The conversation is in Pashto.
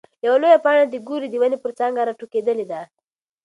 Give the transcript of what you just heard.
يوه لوړه پاڼه د ګورې ونې پر څانګه راټوکېدلې ده.